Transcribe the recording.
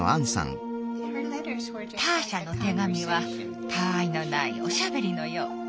ターシャの手紙はたあいのないおしゃべりのよう。